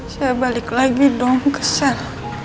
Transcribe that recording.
saya balik lagi dong ke sel